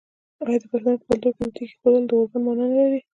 آیا د پښتنو په کلتور کې د تیږې ایښودل د اوربند معنی نلري؟